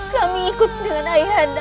kami ikut dengan ayah anda